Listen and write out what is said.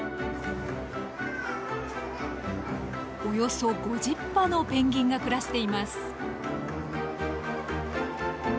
およそ５０羽のペンギンが暮らしています。